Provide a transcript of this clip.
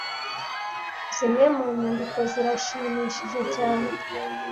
Zimwe mu nyandiko zirashimishije cyane.